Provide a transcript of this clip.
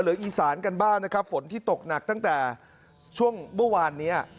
อีสานกันบ้างนะครับฝนที่ตกหนักตั้งแต่ช่วงเมื่อวานเนี้ย